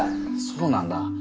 そうなんだ。